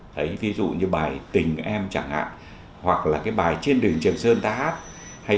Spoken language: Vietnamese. thấy ví dụ như bài tình em chẳng hạn hoặc là bài trên đường trường sơn ta hát